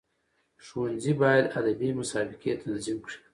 ښوونځي باید ادبي مسابقي تنظیم کړي.